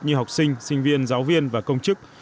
như học sinh sinh viên giáo viên và công chức